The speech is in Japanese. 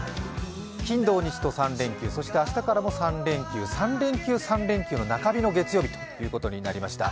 金土日と３連休、そして明日からも３連休３連休、３連休の中日の月曜日ということになりました。